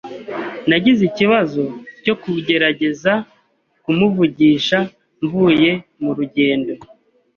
Nagize ikibazo cyo kugerageza kumuvugisha mvuye murugendo.